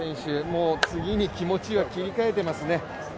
もう次に気持ちを切り替えていますね。